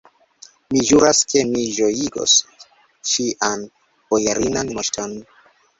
Mi ĵuras, ke mi ĝojigos ŝian bojarinan moŝton!